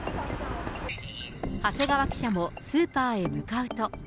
長谷川記者もスーパーへ向かうと。